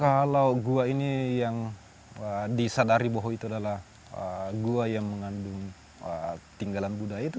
kalau gua ini yang disadari bahwa itu adalah gua yang mengandung tinggalan budaya itu seribu sembilan ratus lima puluh